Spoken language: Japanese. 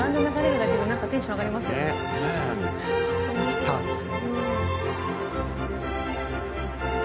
スターです。